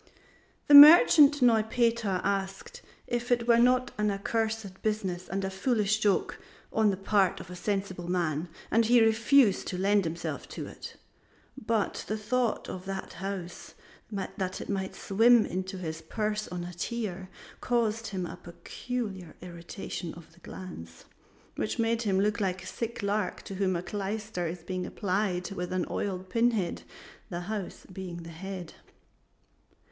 The merchant Neupeter asked if it were not an accursed business and a foolish joke on the part of a sensible man, and he refused to lend himself to it; but the thought that a house might swim into his purse on a tear caused him a peculiar irritation of the glands, which made him look like a sick lark to whom a clyster is being applied with an oiled pinhead the house being the head.